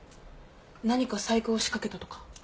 何か細工を仕掛けたとか？